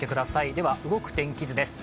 では動く天気図です。